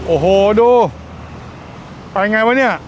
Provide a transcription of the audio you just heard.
โอ้โหดูไปไงวะเนี่ย